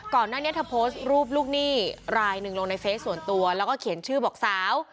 ก่อนหน้านี้เธอโพสต์รูปลูกหนี้รายหนึ่งลงในเฟซส่วนตัวแล้วก็เขียนชื่อบอกสาว